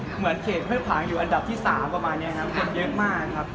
เหมือนเขตห้วยขวางอยู่อันดับที่๓ประมาณนี้ครับคนเยอะมากครับ